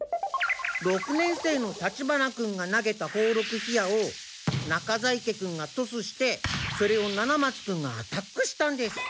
六年生の立花君が投げた宝禄火矢を中在家君がトスしてそれを七松君がアタックしたんです。